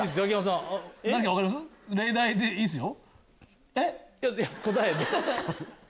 例題でいいですよ。